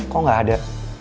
kok gak ada